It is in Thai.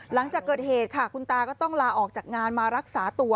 หลังจากเกิดเหตุค่ะคุณตาก็ต้องลาออกจากงานมารักษาตัว